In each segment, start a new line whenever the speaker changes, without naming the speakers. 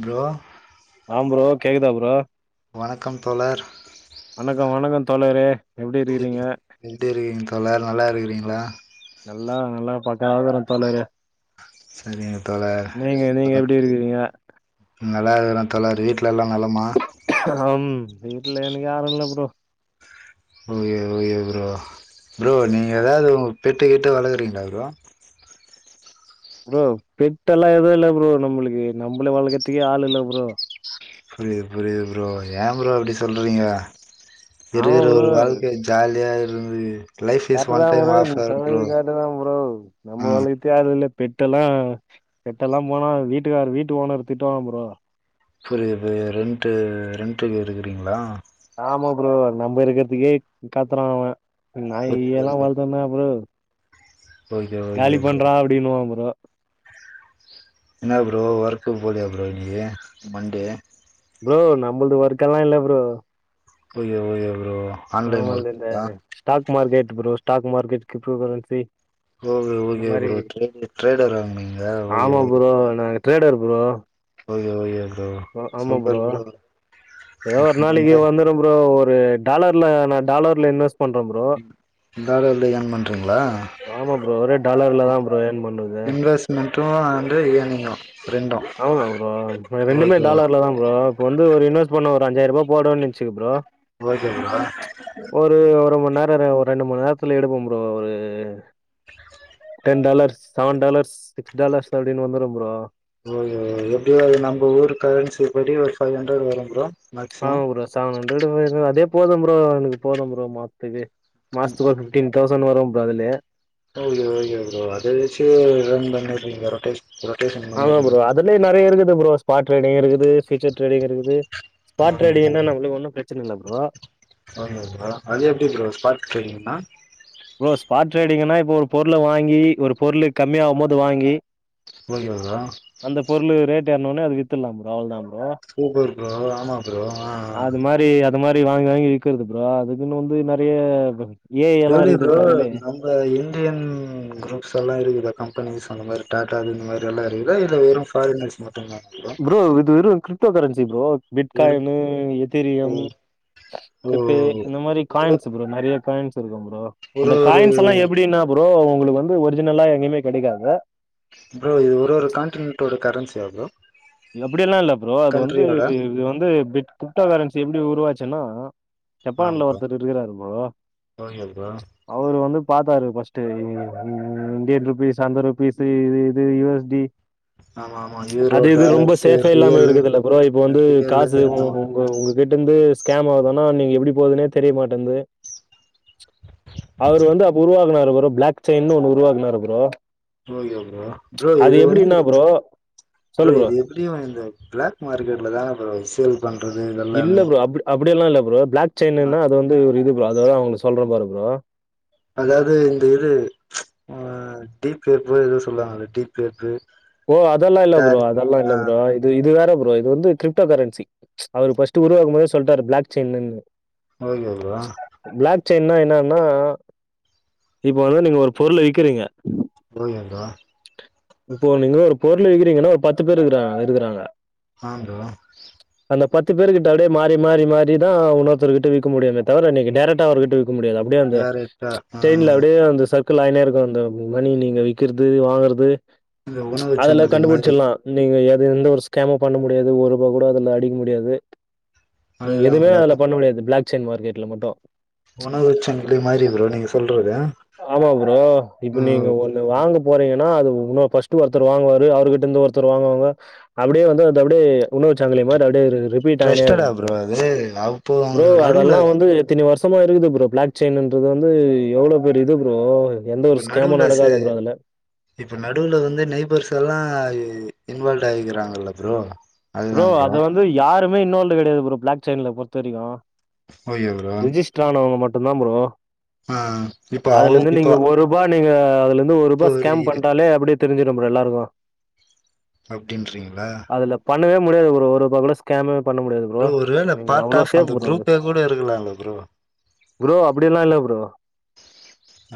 Bro
ஆ bro கேக்குதா bro
வணக்கம் தோழர்
வணக்கம் வணக்கம் தோழரே எப்டி
சரி
இருக்கிறீங்க
எப்டி இருக்கீங்க தோழர் நல்லா இருக்கறீங்களா
ஆ வற தோளரே
சரிங்க தோளர்
நீங்க எப்டி இருக்கிறீங்க
நல்லா இருக்கறே தோழர் வீட்டு ட்ல எல்லா நலமா
ம் வீட்ல எனக்கு யாரு இல்ல ப்ரோ
ஓ எ ஓ எ ப்ரோ ப்ரோ நீங்க ஏதாவது உ பெட்டுக்கிட்டு வளகுறீங்களா ப்ரோ
ப்ரோ பெட்டெல்லா எதுவு இல்ல ப்ரோ நம்மளுக்கு நம்மள வளக்றத்துக்கே ஆள் இல்ல ப்ரோ
புரியுது புரியுது ப்ரோ ஏன் ப்ரோ அப்படி சொல்றீங்க
ஆமா
இருக்கிற ஒரு வாழ்க்க ஜாலியா இருந்து லைஃப் இஸ்
கரெக்டு தா
ஒன் டைம்
ப்ரோ நீங்க
ஆஃபர்
சொல்றது
ப்ரோ
கரெக்ட் தா ப்ரோ
ஆ
நம்மள வளக்கறதுக்கே ஆள் இல்ல பெட்டல்லா பெட்டல்லா போனா வீட்டுக்கார் வீட்டு ஓனர் திட்டுவாங்க ப்ரோ
புரியுது புரியது ரெண்ட்டு ரெண்ட்டுக்கு இருக்குறீங்களா
ஆமா ப்ரோ நம்ம இருக்கிறதுக்கே கத்துறாஅவ நாய் கீயல்லா
புரியுது
வளத்தனா ப்ரோ
ஓகே ஓகே
காலி
ப்ரோ
பண்றா அப்படின்னுவா ப்ரோ
என்ன ப்ரோ ஒர்க்க போலியா ப்ரோ இன்னைக்கு மண்டே
ப்ரோ நம்மளது ஒர்க்கெல்லா இல்ல ப்ரோ
புரியுது புரியுது ப்ரோ ஆன்லைன்
நம்மல்து இந்த
ஒர்க்குங்களா
stock market bro stock market cryptocurrency
okay okay bro trader ட்ரேடரா நீங்க ஓகே
ஆமா
ஓகே
ப்ரோ நாங்க trader bro
okay okay
bro ஆமா ப்ரோ ஏதோ ஒரு
இந்த
நாள்
மாதிரி
லீவ் வந்துரும் ப்ரோ ரோ டாலர்ல நான் டாலர்ல இன்வெர்ஸ் பண்றோம் ப்ரோ
இதாடல ஏர்ன் பண்றீங்களா
ஆமா ப்ரோ ஒரே டாலர்ல தான் ப்ரோ ஏன் பண்றது
ட்டு வந்து இயர்ணிங்கும்
ஆமா ப்ரோ ரெண்டுமே
ஓகே
டாலர்ல தான் ப்ரோ வந்து ஒரு இன்வெ்ட பண்ணும் ஒரு அஞ்சாயரம் ரூபா போட ச்சு ப்ரோ
ஓகே ப்ரோ
ச்சு ஒரு ஒரு மணி நேரம் ஒரு ரெண்டு மணி நேரத்துல எடுபோம் ப்ரோ ஒரு ten dollars seven dollars six dollars அப்பின்னு வந்துரும் ப்ரோ
ஓகே எப்படியோ அது நம்ம ஊர் கரன்சி படி ஒரு ஃபைவ் ஹண்ட்ரட் வரும் ப்ரோ
ஆமா
மேக்ஸிமம்
ப்ரோ செவன் ஹண்ட்ரட்டு வரும் அதே போதும் ப்ரோ எனக்கு போதம் ப்ரோ மாத்துக்கு மாசத்துக்கு ஒரு ஃபிப்டீன் தவ்ச ண்ட்டு வரும் ப்ரோ அதுலே
ஓகே ஓகே ப்ரோ அத வச்சு ரன் பண்ணிருவீங்க ரொட்டேஷ
ஆமோ ப்ரோ அதுலேயு நெறைய இருக்குது க்குது ப்ரோ பாட் ட்ரேடிங் இருக்குது ஃபியூசர் ட்ரேடிங் இருக்குது பாட் ட்ரேடிங்
ம்
என்ன நம்ளுக்கு ஒன்னும் பிரச்ச பிரச்சன இல்ல ப்ரோ
ஓகே ப்ரோ அது எப்படி ப்ரோ பாட் ட்ரேடிங்ன்னா
ப்ரோ ஸ்பாட் ட்ரேடிங்னா ஒரு பொருள வாங்கி ஒரு பொருளு கம்மியாகும் போது வாங்கி
ஓகே ப்ரோ
அந்த பொருளு ரேட் ஏறுன உடன அது வித்தரலா ப்ரோ அவ்ளோதான் ப்ரோ
சுப்பர் ப்ரோ ஆமா ப்ரோ ஆ ஆ
இந்த மாரி வாங்கி வாங்கி விக்கிறது ப்ரோ அதுக்குன்னு வந்து நெறைய ஏ ஐ எல்லா இருக்குது ப்ரோ அதுலே
[unintelligible] நம்ம இந்தியன் குரூப் எல்லா இருக்குது கம்பெனிஸ் அந்த மாரி டாட்டா இது இந்த மாரி எல்லா இருக்குதா இல்ல வெறும் ஃபாரினர்ஸ் மட்
ப்ரோ இது வெறும் [unintelligible] கிரிப்டோ கரன்சி ப்ரோ
வெறு
பிட்காயினு
ஓ
எதிரியம்
ஓ,
பிப்பே
ஓ.
இந்த மாரி
ஒரு
காயின்ஸ் ப்ரோ நறைய காயின்ஸ் [unintelligible] ஓ அந்த
ஒரு ஒரு
காயின்ஸ் எல்லா எப்டின்னா ப்ரோ உங்களுக்கு வந்து ஒரிஜினலா எங்கியுமே கெடைக்காது
செரி ப்ரோ
எப்டியெல்லா இல்ல ப்ரோ அது வந்து
கண்ட்ரியோட
இது வந்து கிரிப்டா கரன்சி எப்டி உருவாச் ச்சுன்னா
ஆமா
ஜப்பான்ல
ப்ரோ
ஒருத்தரு இருக்குறாரு ப்ரோ
ஓகே ப்ரோ
அவுரு வந்து பாத்தாரு ஃபஸ்ட்டு இ இந்தியன் ருபீஸ் அந்த ருபீஸ்ஸு இ இது யு எஸ் டி
ஆமா ஆமா யூரோ
அது இது ரொம்ப
டாலர்ஸு
சேஃபா இல்லாம
ரியலு
இருக்குதுல்ல ப்ரோ இப்போ வந்து
ரியலு
காசு
ஆமா
உங்க உங்ககிட்ட இருந்து [unintelligible] தானா நீங்க எப்டி போகுதுனே தெரியமாட்டேங்குது அவர் வந்து அப்ப உருவாக்குனார் அவரு ப்ளாக் செயின்னு ஒன்னு உருவாக்குனாரு ப்ரோ
ஓகோ ப்ரோ ப்ரோ
அது
இது வந்து
எப்டின்னா ப்ரோ
ப்ரோ இது எப்டியு இந்த ப்ளாக் மார்க்கெட்ல தான ப்ரோ சேல் பண்றது இதெல்லாமே
அப்டில்லா இல்ல ப்ரோ ப்ளாக் செயினு னா
அஹ்
அது வந்து ஒரு இது ப்ரோ அது உங்களுக்கு சொல்றா பாரு ப்ரோ
அதாவது இந்த இது உம்‌ டீப்லைட்ல எதோ சொல்லுவாங்கல டீப்லைட்டு
ஓ அதெல்லா இல்ல ப்ரோ அதெல்லா இல்ல ப்ரோ இது இது வேற இது வந்து க்ரிப்டோ கரன்சி அவரு ஃபர்ஸ்ட் உருவாக்கு போதே சொல்ட்றாரு ப்ளாக் செய்யின்னு
ஓகே ப்ரோ
சென்னையின்ன என்னா இப்ப வந்து நீங்க ஒரு பொருள விக்கிறீங்க
போகீ வந்தா
இப்போ நீங்க ஒரு பொருள விக்கிறீங்கன்னா ஒரு பத்து பேரரு இருக்றா இருக்றாங்க
ஆஹ் ப்ரோ
அந்த பத்து பேரு கிட்ட அப்டியே மாறி மாறி மாறிதா இன்னொருத்தர்கிட்ட விக்க முடியுமே தவர நீங்க டேரக்ட்டா அவுருகிட்ட விக் க முடியாது அப்டியே அந்த
டேரக்டா ஆ
ட்ரெயின்ல அப்டியே அந்த சர்க் க்லாய்னேருக்கூ அந்த மணி நீங்க விக்கிறது வாங்குறது
இந்த உணவு
அதெல்லா
சங்கிலி மாரி
கண்டுபிடிச்சிட்லா நீங்க எப் அது எந்த ஒரு ஸ்கேம்மூ பண்ண முடியாது ஒரூவா கூட அதுல அடிக்க முடியாது நீங்க
அதுதா
எதூமே
ப்ரோ
அதுல பண்ண முடியாது ப்ளாக் சென் மார்க்கெட்ல மட்டூ
உணவுச்சங்கிலி மாரி ப்ரோ நீங்க சொல்றது
ஆமா ப்ரோ.
ஆ புரிது புரி
உங்க ஃபஸ்ட்டு ஒருத்தர் வாங்குவாரு அவரு கிட்டேந்து ஒருத்தர் வாங்குவாங்க அப்டியே வந்து அது அப்டியே உணவு சங்கிலி மாரி அப்டியே ஒரு ரிபீட்
ட்ரஸ்டடா
ஆயினேருக்கூ ப்ரோ
அது அப்போ
ப்ரோ
அவங்க நடுவுல
அதெல்லா வந்து எத்தினி வருஷ் ஷமாருக்குது ப்ரோ ப்ளாக் செயின்றது வந்து எவ்ளோ பெரிய இது ப்ரோ எந்த
இப்ப
ஒரு ஸ்கேமும்
நடுவுல சே
நடக்காது ப்ரோ அதுல.
இப்ப நடுவுல வந்து நெய்பர்ஸ் எல்லா இன்வால்வ் ஆய்டுகிறாங்கல்ல ப்ரோ
ப்ரோ அது வந்து யாரு மேன்னோன்டு கெடையாது ப்ரோ ப்ளாக் செயின்ல பொறுத்தவரைக்கூ
ஓகே ப்ரோ
ரிஜிஸ்டர் ஆனவங்க மட் என்னா ப்ரோ
ஆ இப்ப அவ்
அதுலருந்து
இப்ப
நீங்க ஒரு ரூபா நீங்க இங்கேந்து ஒரூபா ஸ்கேம் பண்ட்டாலே அப்டி தெரிஞ்சிடூ ப்ரோ எல்லாருக்கூ
அப்டின்றீங்ளா
பண்ணவே முடியாது ஒரு ஒரூபா கூட ஸ்கேமு பண்ண முடியாது ப்ரோ
ஒருவேள
நீங்க
பார்ட்
அவ்ளோ
ஆஃப்
சேஃப்
அந்த
ப்ரோ அது
குரூப்பே கூட இருக்கலாம்ல ப்ரோ
ப்ரோ அப்டியல்லால்ல ப்ரோ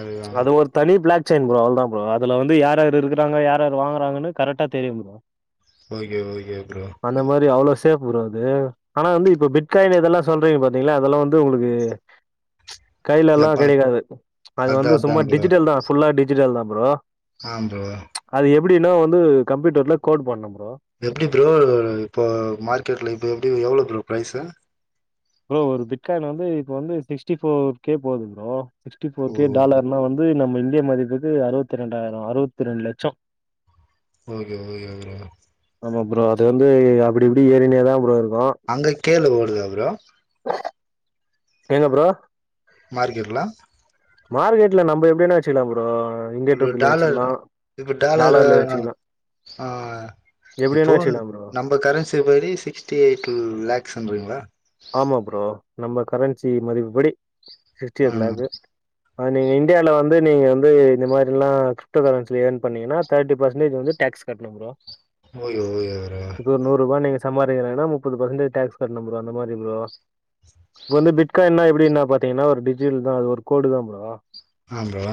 அதுதா
அது ஒரு தனி பிளாக் சன் ப்ரோ அவ்ளதா ப்ரோ அது வந்து யாரார் இருக்கா யாரார் வாங்கறாங்கன்னு கரெக்டா தெரியூ ப்ரோ
ஓகே ஓகே ப்ரோ
தேவ் ப்ரோ அது ஆனா வந்து இப்ப பிட்காயின் இதெல்லா சொல்றீங்க பாத்தீங்ளா அதெல்லா வந்து உங்ளுக்கு கையில எல்லா
எப்ப
கெடைக்காது அது
அதா
வந்து
அதா
சும்மா
ப்ரோ
டிஜிட்டல் தா ஃபுல்லா டி ஜிட்டல் தா ப்ரோ
ஆ ப்ரோ
ப்டினா வந்து கம்ப்யூட்டர்ல கோட் பண்ணோம
எப்டி ப்ரோ இப்போ மார்க்கெட்ல இப்போ எப்டி எவ்ளோ ப்ரோ ப்ரைஸு
ப்ரோ ஒரு பிட்காயின் வந்து இப்ப வந்து சிக்ஸ்டி ஃபோர் கே போது ப்ரோ சிக்ஸ்டி
ஓ
ஃபோர் கே டாலர்ல வந்து நம் இந்திய மதிப்புக்கு அறுவத்தி ரெண்டாயிரோ அறுவத்தி ரெண்டு லட்சோ
ஓகே ஓகே ஓகேங்க
ஆமா ப்ரோ அது வந்து அப்டி இப்டி ஏறினே தா ப்ரோ இரு
அங்க கேளு அதுக்கப்றோ
எங்க ப்ரோ
மார்க்கெட்ல
மார்கெட்ல நம்ம எப்டினா வச்சிக்கலா ப்ரோ இந்தியன்
இ
ருப்பில
டாலர்ல
வச்சுக்கலாம்
இப்ப டாலரு
டாலர்ல வச்சுக்கலாம்
ஆ இப்போ
எப்படின்னா வச்சுக்கலாம் ப்ரோ
நம்ம கரன்சி படி சிக்ஸ்டி எயிட் லாக் சம்றீங்களா
ஆமா ப்ரோ நம்ம கரன்சி மதிப்பு படி சிக்ஸ்டி எயிட்
ம்
லாக்கு நீங்க இந்தியால வந்து நீங்க வந்து இந்த மாரில்லா கிரிப்டோ கரன்சில ஏர்ன் பண்ணீங்கன்னா தேர்ட்டி பெர்சன்டேஜ் வந்து டேக்ஸ் கட்டணும் bro
okay okay bro
summer [unintelligible] முப்பது பர்சன்டேஜ் டேக்ஸ் கட்டணும் ப்ரோ அந்த மாரி ப்ரோ இப்ப வந்து பிட்கானா எப் டினா பாத்தீங்கன்னா ஒரு டிஜிட்டல் தா அது ஒரு கோடு தா ப்ரோ
ஆ ப்ரோ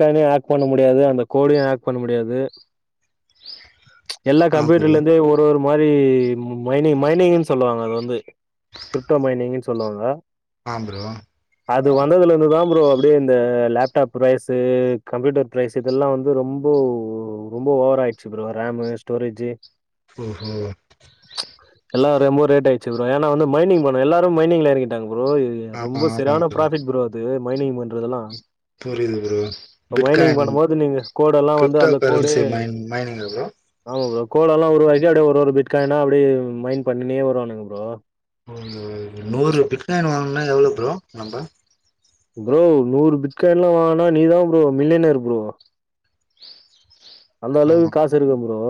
கார்டயு ஆட் பண்ண முடியாது அந்த கோடயு ஆட் பண்ண முடியாது எல்லா
ஆ ப்ரோ
கம்ப்யூட்டர்ல இருந்தே ஒரு ஒரு மாரி மைனிங் மைனிங்னு சொல்லுவாங்க அத வந் து கிரிப்டோ மைனிங்ன்னு சொல்லுவாங்க
ஆம் ப்ரோ
அது வந்ததுல இருந்து தா ப்ரோ அப்டியே இந்த லேப்டாப் ப்ரைஸ் கம்ப்யூட்டர் ப்ரைஸ் இதெல்லா வந்து ரொம்போ ரொம்போ ஓவராயிடுச்சு ப்ரோ ரேமு ஸ்டோரேஜி
ஓஹோ
ரொம்பவு ரேட் ஆ ச்சு ப்ரோ ஏனா வந்து மைனிங் பண்ண எல்லாரு மைனிங்ல எறங்கிட்டாங்க ப்ரோ இது
ஆமா
ரொம்ப
ஆமா
சரியான ப்ராபிட் ப்ரோ அது மைனிங் பண்றதெல்லா
புரியுது ப்ரோ
இப்ப மைனிங்
பிட்காயின்
பண்ணும்போது நீங்க கோடெல்லா வந்து
கிரிப்டோ
அந்த கோடு
கரன்சி மைன் மைனிங்கா ப்ரோ
ஆமா ப்ரோ கோடெல்லா உருவாய் அப்படியே ஒரு ஒரு பிட் காயின்னா அப்படி மைண்ட் பண்ணினே வருவானுங்க ப்ரோ
ஒரு நூறு பிட் காயின் வாங்கனா எவ்வளோ ப்ரோ நம்ம
ப்ரோ நூறு பிட் காயின் எல்லா வாங்குனா நீதா ப்ரோ மில்லியனர் ப்ரோ அந்த
ஆமா
அளவுக்கு காசு இருக்கு ப்ரோ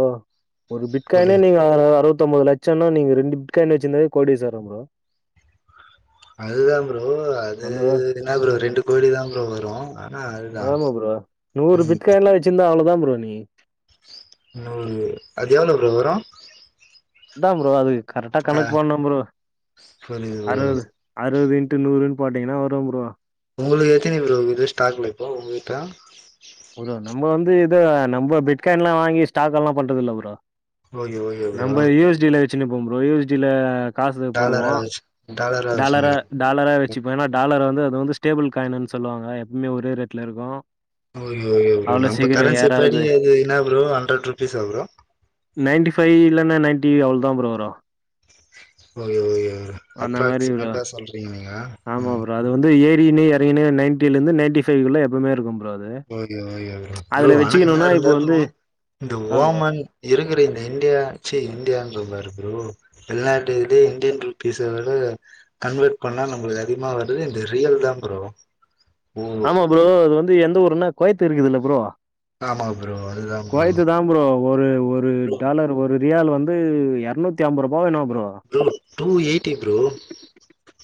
ஒரு பிட்காய்னே
புரி
நீங்க அறுவ தொம்பது லட்சம்னா நீங்க ரெண்டு பிட் காயின் வச்சிருந்தாலே கோடிஸ்வரன் ப்ரோ
அதுதா ப்ரோ அது
அந்ததா
என்னா ப்ரோ ரெண்டு கோடிதா ப்ரோ வரு
ஆமா ப்ரோ நூறு பிட்காயின்லா வெச்சிருந்தா அவ்ளோ தா ப்ரோ நீ
நூறு அது எவ்ள ப்ரோ வரு
இதா ப்ரோ அது கரெட்டா கணக்கு போடனு ப்ரோ
புரியுது ப்ரோ
அறுவது அறுவது இன்ட் டு நூறுன் போட்டிங்னா வரு ப்ரோ
உங்களுக்கு எத்தினி ப்ரோ இருக்குது ஸ்டாக்ல இப்போ உங்ககிட்ட
ஒரு அன் நம்ம வந்து ஏதோ நம்ப பிட்காயின் எல்லாம் வாங்கி ஸ்டாக் எல்லாம் பண்றது இல்ல ப்ரோ
ஓகே ஓகே ப்ரோ
சின்ன போகம் ப்ரோ யூ எஸ் டடில காசு
டாலரா
போடுவோம்
வச்சு
டாலரா
வச்சுனுக்கிறீங்க
டாலரா வச்சுப்பே ஏன்னா டாலர் வந்து அது வந்து ஸ்டேபிள் காயின்னு சொல்லுவாங்க எப்பவுமே ஒரே ரேட் இருக்கும்
ஓகே ஓகே ப்ரோ நம்ப கரன்சிப்படி
ஏறாது
அது என்ன ப்ரோ ஹண்ட்ரட் ருபீஸா ப்ரோ
நைன்டி ஃஒபைவ் இல்லன்னா நைன்டி அவ்ள தான் ப்ரோ வரு
ஓகே ஓகே
அந்த மாரி ப்ரோ
அப்ராக்சிமேட்டா சொல்றீங்கல ம்
எறங்கின்னு நைன்டில இருந்து நைன்டி ஃபைவ் எப்பமே இருக்கும்
ஓகே ஓகே ப்ரோ ஆனா என்ன
வச்சுக்கணும்னா இப்போ வந்து
இருந்தாலும் இந்த
ஆ ப்ரோ
ஓமன் இருக்கிற இந்தியாச்சி இந்தியான் சொா ப்எரோ வெளிநாட்டு இருந்து இந்தியன் ருப்பீஸ் விட கன்வெர்ட் பண்ணா நம்மளுக்கு அதிகமா வருது இந்த ரியல் தான் ப்ரோ ஓ
ஆமா ப்ரோ அது வந்து எந்த ஊருன்னா கோய்த்து இருக்குதுல்ல ப்ரோ
ஆமா ப்ரோ அதுதா ப்ரோ
குவைத் தான் ப்ரோ ஒரு ஒரு
ப்ரோ
டாலர் ஒரு ரியால் வந்து எரநூத்தி அம்பருபா என்ன ப்ரோ
டூ எய்ட்டி ப்ரோ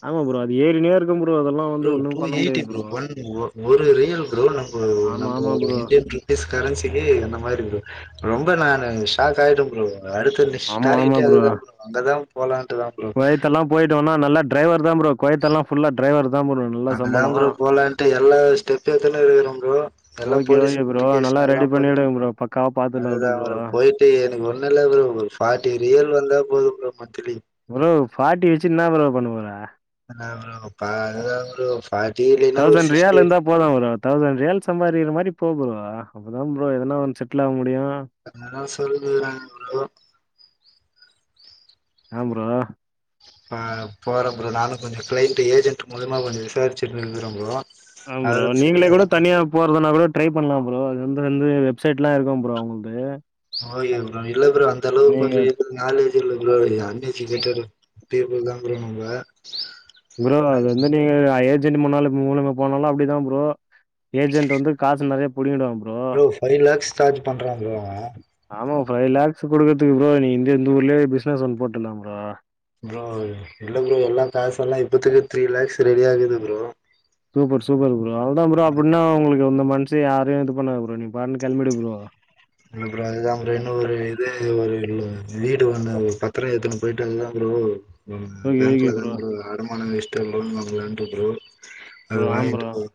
ஆமா ப்ரோ அது ஏரின்னேருக்
bro two eighty bro one bro ஒரு ரியால் ப்ரோ நம்ப
ஆமா
நம்ப
ஆமா
ஒரு
ப்ரோ
இன்டியன் ருப்பீஸ் கரன்சிக்கு அந்த மாரி ப்ரோ ரொம் ப நானு ஷாக்காய்ட்ட ப்ரோ அடுத்து நெஸ்ட் டார்கெட்டே அதுதா ப்ரோ அங்கதா போலான்
குவைத்தல்லா போய்ட்டோன்னா நல்லா ட்ரைவர் தா ப்ரோ குவைத்தல்லா ஃபுல்லா ட்ரைவர்
அங்கதா ப்ரோ போலான்ட்டு எல்லா ஸ்டெப்பு எத்துனுருக்குறம் ப்ரோ எல்லா
ஓகே
போலீஸ்
ஓகே ப்ரோ நல்லா
இன்ட்டிகேஷன் எல்லா
ரெடி
போயிட்டு
பண்ணிவிடுங்க ப்ரோ பக்காவா பாத்துலா விடு ப்ரோ
அதுதாம்ரோ போயிட்டு எனக்கு ஒண்ணுல்ல ஒரு ஃபாட்டி ரியல் வந்தா போது ப்ரோ மன்த்துலி
ப்ரோ ஃபாட்டி வச்சு என்னா ப்ரோ பண்ண போற
அதான் ப்ரோ பா அதுதான் ப்ரோ ஃபார்ட்டி இல்லைன்னா ஒரு
தௌசண்
சிக்ஸ்டி
ரியால் இந்தா போதும் ப்ரோ தௌசண் ரியால் சம்பாதிக்கிற மாரி போ ப்ரோ அப்பதா ப்ரோ எதுனான்னு செட்லு ஆக முடியு
அததா சொல்லுறே ப்ரோ
ஏம் ப்ரோ
ப போற ப்ரோ நானு கொஞ்ச க்ளைன்ட் ஏஜென்ட் மூலிமா கொஞ்ச விசாரிச்சுட்ருக்ற ப்ரோ
ஆ ப்ரோ
அவரு சரி
நீங்களே கூட
அதா
தனியா போறதுனா கூட ட்ரை பண்ணலாம் ப்ரோ அது வந் வந்து வெப்சைட்லா இருக்கும் ப்ரோ அவுங்ளுது
[unintelligible] இல்ல ப்ரோ அந்தளவுக் கொஞ்ச இது நாலேஜ் இல்ல ப்ரோ அன்எஜுகேட்டடு பீபுள்தா ப்ரோ அவுங்க
ப்ரோ [unintelligible] ன்னால [unintelligible] போனாலு அப்டிதா ப்ரோ ஏஜெண்ட் வந்து காசு நெறைய புடிங்கிடுவாங்
ப்ரோ ஃபைவ் லேக்ஸ் சார்ஜ் பண்றா ப்ரோ அவ
ஆமா ஃபைவ் லேக்ஸ் குடுக்றக்து ப்ரோ நீ இந்த இந்த ஊர்லயே பிசினஸ் ஒன்னு போட்ரலா ப்ரோ
ப்ரோ இல்ல ப்ரோ எல்லா காசெல்லா இப்பத்துக்கு த்ரீ லேக்ஸ் ரெடியாக்குது ப்ரோ
சூப்பர் சூப்பர் ப்ரோ அவ்ளதா ப்ரோ அப்பின்னா உங்களுக்கு இந்த மன்த் து யாரயு இது பண்ணாத ப்ரோ நீ பாட்னு கெளம்பிடு ப்ரோ
ப்ரோ அதுதா ப்ரோ இன்னு ஒரு இது ஒரு இன்னு வீடு ஒண்ணு பத்திர எத்து போயிட்டுருக்குற ப்ரோ
ஓகே ஓகே
பேங்க்ல தா ப்ரோ அடமானொ வஷ் ட்டு லோன் வாங்லான்ட்டு ப்ரோ
ப்ரோ
அது
ஆம்
வாங்கிட்டு
ப்ரோ
போய்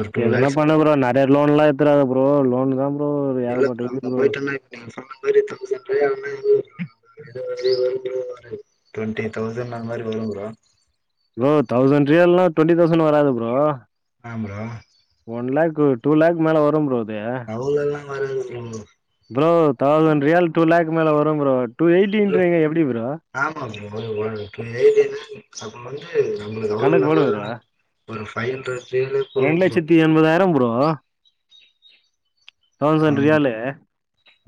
ஒரு
எதுனா
லேக்ஸ்
பண்ணு ப்ரோ நறைய லோன்லா ஏத்துறா ப்ரோ லோனுதா
இல்ல ப்ரோ அங்க போய்ட்டனா இப்ப நீங்க சொன்ன மாரி தொசண் ரியால் [inaudible] [inaudible] டுவன்ட்டி தௌசண் அது மாதிரி வரும் ப்ரோ
ரியால்னா டுவண்ட்டி தௌசண் வராது ப்ரோ
அ ப்ரோ
ப்ரோ டூ லேக் மேல வரும் ப்ரோ அது
தல்லலா வற உம்
ப்ரோ தௌசண்ரியல் டூ லேக் மேல வரும் ப்ரோ டூ எயிட்டின்றிங்க எப்டி ப்ரோ
ஒரு வ போயியாக தேன்ன சப்ப வந்து நம்மளுக்கு
கணக்கு
கனம்லா
போடு
கூ
ப்ரோ
ஒரு பவ் ஹண்ரட் செல்லே போது
ரெண்டு
ப்ரோ
லட்சத்தி எண்பதாயிரம் ப்ரோ தௌசண்ட்
ஆமா
ரியாலு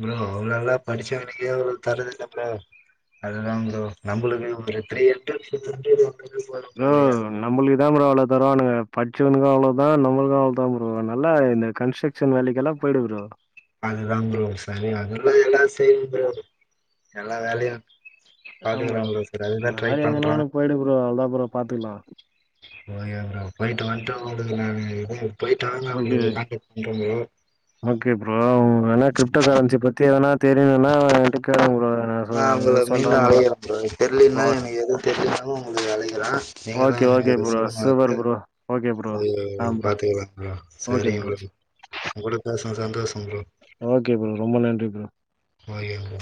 ப்ரோ அவ்ளவுல்லா படிச்சவன்க்கே அவ்ளோ தருது அதுதா ப்ரோ நம்ம ஒரு த்ரீர் [inaudible]
ப்ரோ நம்மளுக்குதா ப்ரோ அவ்ளோ தருவானுங்க பச்சவனுக்குலா அவ்ளோ நா நம்மளுக்கு அவ்தா ப்ரோ நல்லா இந்த கன்ஸ்ட்ரக்ஷன் வேலைக்கல்லா போயி்டு ப்ரோ
அதுதா ப்ரோ சரி அதல்லா எல்லாம் செய்யு எல்லா வேலையும்
ஆ ப்ரோ இந்தந்த மாரி
பண்றே
எதுல்லனு போயிடு ப்ரோ அவ்ளதான் ப்ரோ பாத்துக்கலா
போ எ போயிட்டு வண்ட்டு [unintelligible]
ஓகே ஓகே ப்ரோ ஆனா கிரிப்டோ கரன்சி பத்தி ஏதனா தெரியலனா எ கிட்ட கேலுக ப்ரோ நா சொ
ஆஹ் அவங்களை மீன்
சொல்றே ப்ரோ
அலையறங்க தெரியலன்னா
ஓ
எனக்கு எது தெரியினாலு உ வேலைக்கிறா நீங்கதா
ஓகே ஓகே
எனக்கு
ப்ரோ
சொல்லாது
சூப்பர் ப்ரோ ஓகே ப்ரோ
அத
ஆ ப்ரோ
பாத்துக்கலா ப்ரோ சரிக ப்ரோ உ கூட பேசுனாத சந்தோஷம் ப்ரோ
ஓகே ப்ரோ. ரொம்ப நன்றி ப்ரோ.
Okay bro